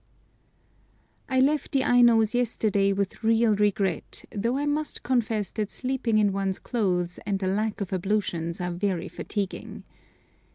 I LEFT the Ainos yesterday with real regret, though I must confess that sleeping in one's clothes and the lack of ablutions are very fatiguing.